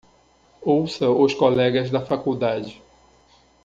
Ouça os colegas da faculdade